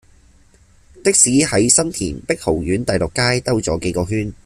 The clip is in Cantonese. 的士喺新田碧豪苑第六街兜左幾個圈